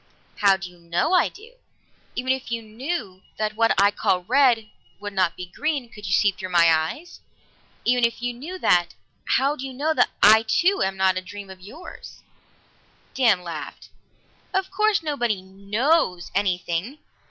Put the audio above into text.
"How do you know I do? Even if you knew that what I call red would not be green could you see through my eyes even if you knew that, how do you know that I too am not a dream of yours?" Dan laughed. "Of course nobody knows anything.